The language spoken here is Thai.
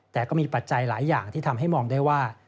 แต่ก็มีปัจจัยหลายอย่างที่ทำให้มองได้ว่า